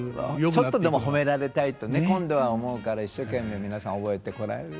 ちょっとでも褒められたいとね今度は思うから一生懸命皆さん覚えてこられる。